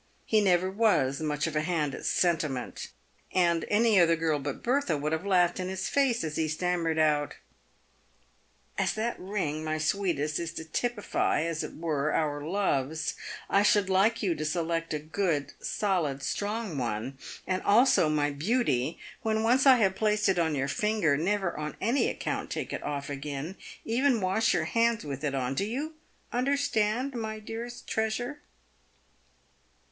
He never was much of a hand at sentiment, and any other girl but Bertha would have laughed in his face as he stammered out, " As that ring, my sweetest, is to typify, as it were, our loves, I should like you to select a good, solid, strong one ; and also, my beauty, when once I have placed it on your finger, never on any account take it off again ; even wash your hands with it on. Ho you understand, my dearest treasure